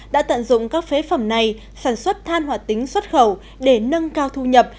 đã tận dụng các phế phẩm này sản xuất than hoạt tính xuất khẩu để nâng cao thu nhập